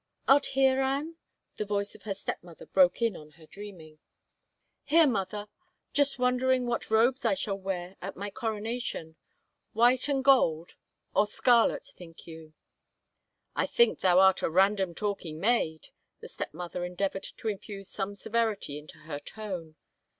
" Art here, Anne ?" the voice of her stepmother broke in on her dreaming. " Here, mother ... just wondering what robes I shall wear at my coronation. White and gold or scarlet, think you ?"I think thou art a random talking maid." The step mother endeavored to infuse some severity into her tone.